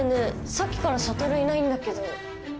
さっきから悟いないんだけど。